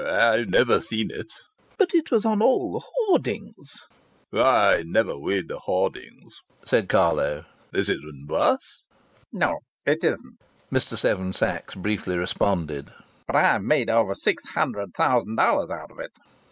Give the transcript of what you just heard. '" "Oh! I've never seen it." "But it was on all the hoardings!" "I never read the hoardings," said Carlo. "Is it in verse?" "No, it isn't," Mr. Seven Sachs briefly responded. "But I've made over six hundred thousand dollars out of it."